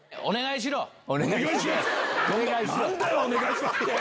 お願いします！